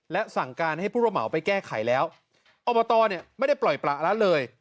และสั่งการให้ผู้รับเหมาไปแก้ไขแล้วอบตเนี่ยไม่ได้ปล่อยประละเลย